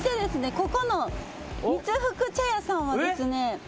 ここの三福茶屋さんはですね